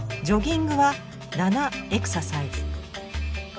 ジョギングは７エクササイズ。